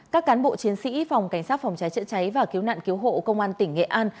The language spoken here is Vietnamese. các cán bộ chiến sĩ phòng cảnh sát phòng cháy chữa cháy và cứu nạn cứu hộ công an tỉnh nghệ an